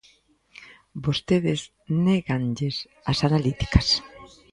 Vostedes néganlles as analíticas.